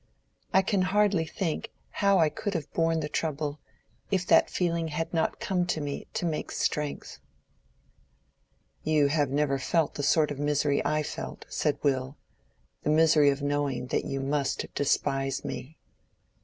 I can hardly think how I could have borne the trouble, if that feeling had not come to me to make strength." "You have never felt the sort of misery I felt," said Will; "the misery of knowing that you must despise me."